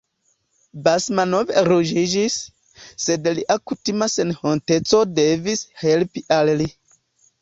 Basmanov ruĝiĝis, sed lia kutima senhonteco devis helpi al li.